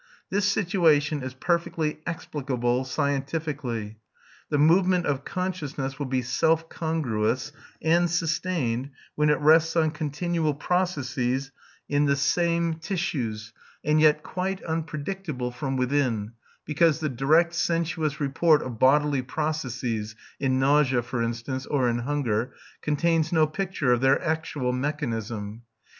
This situation is perfectly explicable scientifically. The movement of consciousness will be self congruous and sustained when it rests on continuous processes in the same tissues, and yet quite unpredictable from within, because the direct sensuous report of bodily processes (in nausea, for instance, or in hunger) contains no picture of their actual mechanism.